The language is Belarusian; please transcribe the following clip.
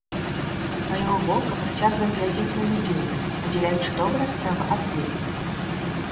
А яго вока працягвае глядзець на людзей, аддзяляючы добрыя справы ад злых.